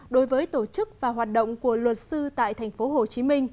đối với tổ chức và hoạt động của luật sư tại tp hcm